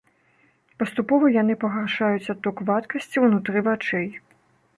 Паступова яны пагаршаюць адток вадкасці ўнутры вачэй.